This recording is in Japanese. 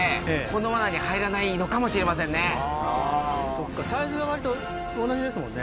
あぁそっかサイズが割と同じですもんね。